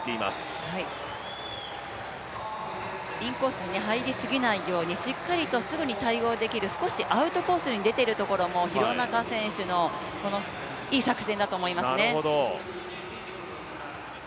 インコース入り過ぎないように、しっかりとすぐに対応できる少しアウトコースに出ているところも廣中選手のいい作戦だと思いますね。